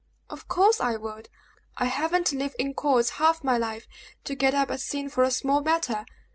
"Of course I would. I haven't lived in courts half my life to get up a scene for a small matter!